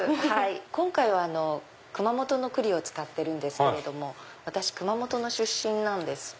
今回は熊本の栗を使ってるんですけど私熊本の出身なんです。